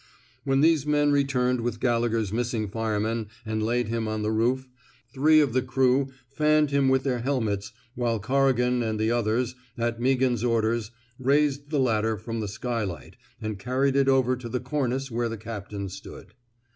When these men returned with Gallegher's missing fireman and laid him on the roof, three of the crew fanned him with their helmets while Corrigan and the others, at Meaghan 's orders, raised the ladder from the skylight and carried it over to the cor nice where the captain stood.